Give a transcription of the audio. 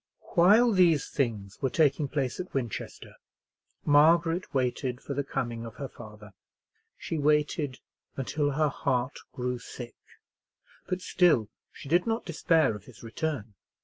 While these things were taking place at Winchester, Margaret waited for the coming of her father. She waited until her heart grew sick, but still she did not despair of his return.